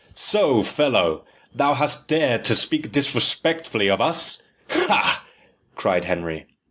"So, fellow, thou hast dared to speak disrespectfully of us ha!" cried Henry.